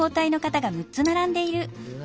うわ！